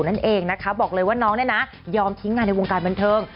นั่นเองนะคะบอกเลยว่าน้องเนี่ยนะยอมทิ้งงานในวงการบันเทิง